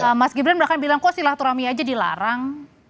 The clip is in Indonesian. tapi tadi mas gibran sudah bilang kok silaturahmi saja dilarang